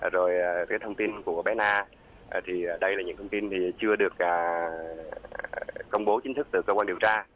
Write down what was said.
rồi cái thông tin của bé na thì đây là những thông tin chưa được công bố chính thức từ cơ quan điều tra